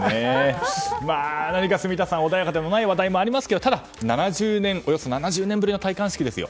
住田さん、何か穏やかでもない話題もありますがただ、およそ７０年ぶりの戴冠式ですよ。